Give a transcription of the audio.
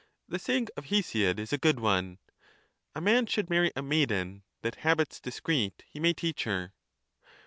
The saying of Hcsiod is a good one : A man should marry a maiden, that habits discreet he may teach her.